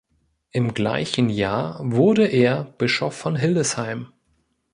Im gleichen Jahr wurde er Bischof von Hildesheim.